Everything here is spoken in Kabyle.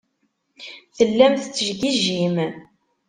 Tellam tettgijjim.